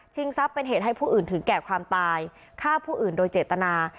ทรัพย์เป็นเหตุให้ผู้อื่นถึงแก่ความตายฆ่าผู้อื่นโดยเจตนา